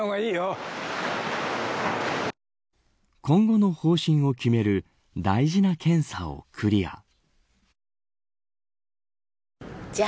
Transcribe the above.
今後の方針を決める大事な検査をクリア。